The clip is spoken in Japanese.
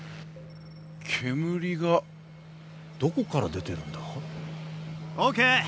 煙がどこから出てるんだ？ＯＫ！